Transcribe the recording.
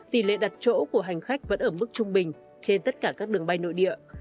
tỷ lệ đặt chỗ của hành khách vẫn ở mức trung bình trên tất cả các đường bay nội địa